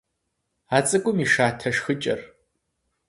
А цӏыкӏум и шатэ шхыкӏэр.